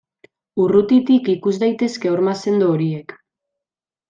Urrutitik ikus daitezke horma sendo horiek.